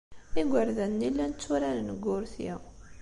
Igerdan-nni llan tturaren deg wurti.